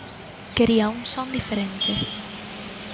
Quería un son diferente.